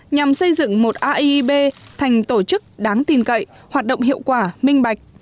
nhằm xây dựng một aib thành tổ chức đáng tin cậy hoạt động hiệu quả minh bạch